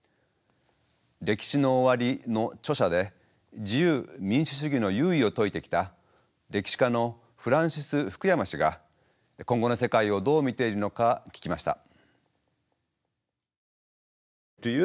「歴史の終わり」の著者で自由民主主義の優位を説いてきた歴史家のフランシス・フクヤマ氏が今後の世界をどう見ているのか聞きました。